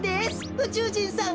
うちゅうじんさん